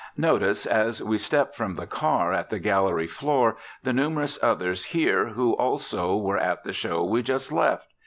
Notice as we step from the car at the gallery floor the numerous others here who also were at the show we just left.